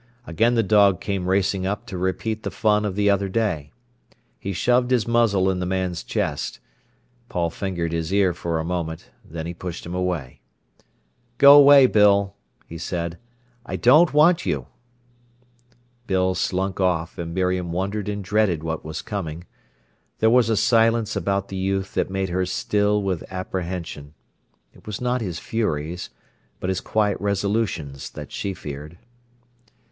Again the dog came racing up to repeat the fun of the other day. He shoved his muzzle in the man's chest. Paul fingered his ear for a moment. Then he pushed him away. "Go away, Bill," he said. "I don't want you." Bill slunk off, and Miriam wondered and dreaded what was coming. There was a silence about the youth that made her still with apprehension. It was not his furies, but his quiet resolutions that she feared.